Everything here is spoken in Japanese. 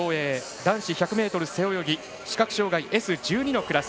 男子１００ｍ背泳ぎ視覚障がいＳ１２のクラス。